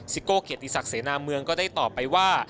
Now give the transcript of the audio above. โก้เกียรติศักดิเสนาเมืองก็ได้ตอบไปว่า